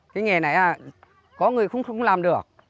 cái nghề này có người cũng không làm được